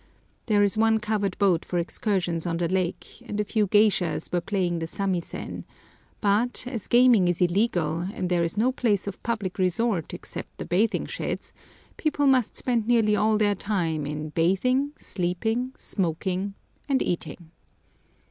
There is one covered boat for excursions on the lake, and a few geishas were playing the samisen; but, as gaming is illegal, and there is no place of public resort except the bathing sheds, people must spend nearly all their time in bathing, sleeping, smoking, and eating.